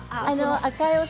赤いお皿。